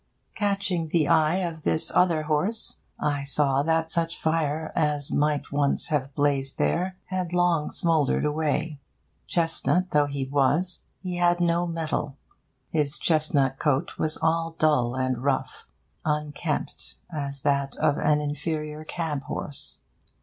Catching the eye of this other horse, I saw that such fire as might once have blazed there had long smouldered away. Chestnut though he was, he had no mettle. His chestnut coat was all dull and rough, unkempt as that of an inferior cab horse.